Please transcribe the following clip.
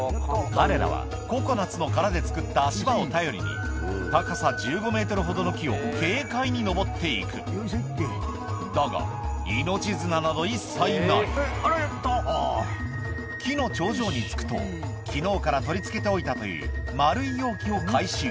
彼らはココナツの殻で作った足場を頼りに高さ１５ｍほどの木を軽快に登って行くだが命綱など一切ないあらよっと。木の頂上に着くと昨日から取り付けておいたという丸い容器を回収